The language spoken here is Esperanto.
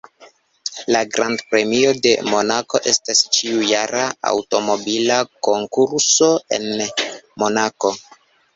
La Grand-Premio de Monako estas ĉiujara aŭtomobila konkurso en Monako.